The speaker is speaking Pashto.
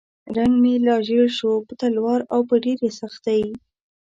رنګ مې لا ژیړ شو په تلوار او په ډېرې سختۍ.